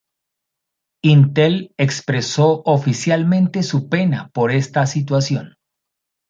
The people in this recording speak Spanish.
Intel expreso oficialmente su pena por esta situación.